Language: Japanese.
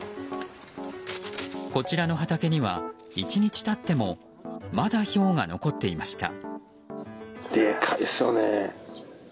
こちらの畑には１日経っても、まだひょうが残っていました。